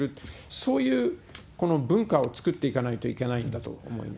そういう文化を作っていかなければいけないと思います。